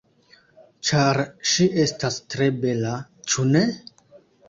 Ĉar ŝi estas tre bela, ĉu ne?